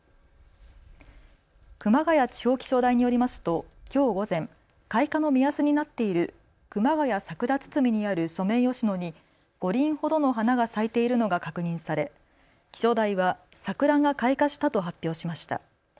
熊谷地方気象台によりますときょう午前、開花の目安になっている熊谷桜堤にあるソメイヨシノに５輪ほどの花が咲いているのが確認され気象台は桜が開花したと発表しました。